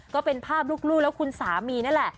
ก็เป็นภาพลูกและคุณสามีนั่นแหละ